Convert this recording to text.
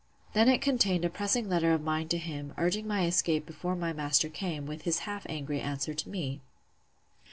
Then it contained a pressing letter of mine to him, urging my escape before my master came; with his half angry answer to me.